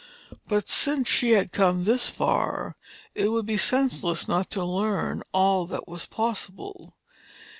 But since she had come this far, it would be senseless not to learn all that was possible.